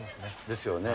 ですよね。